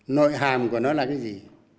nội hàm của nó là cái gì